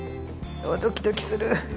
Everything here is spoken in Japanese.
ドキドキする。